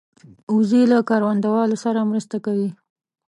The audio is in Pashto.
وزې له کروندهوالو سره مرسته کوي